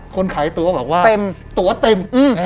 คนขายตั๋วบอกว่าตั๋วเต็ม